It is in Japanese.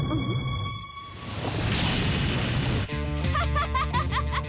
ハハハハハ。